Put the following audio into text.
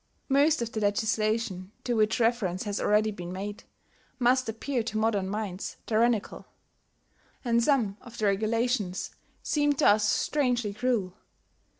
Most of the legislation to which reference has already been made must appear to modern minds tyrannical; and some of the regulations seem to us strangely cruel.